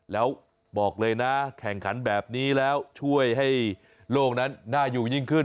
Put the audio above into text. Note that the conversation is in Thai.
แล้วบอกเลยนะแข่งขันแบบนี้แล้วช่วยให้โลกนั้นน่าอยู่ยิ่งขึ้น